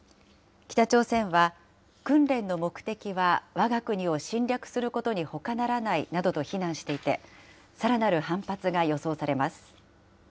北朝鮮は、訓練の目的はわが国を侵略することにほかならないなどと非難していて、さらなる反発が予想されます。